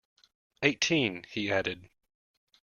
Eighteen, he added.